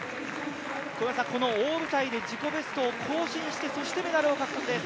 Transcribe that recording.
大舞台で自己ベストを更新してメダルを獲得です。